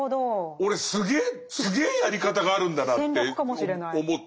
俺すげえやり方があるんだなって思って。